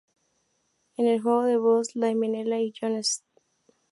En el juego de voz: Lani Minella y Jon St.